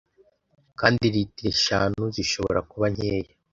kandi litiro eshanu zishobora kuba nkeya